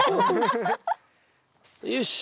よし。